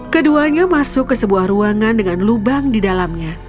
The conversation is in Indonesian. keduanya masuk ke sebuah ruangan dengan lubang di dalamnya